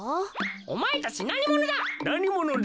おまえたちなにものだ？